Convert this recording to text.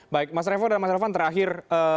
baik mas revo dan mas elvan terakhir